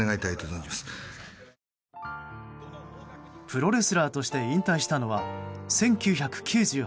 プロレスラーとして引退したのは１９９８年。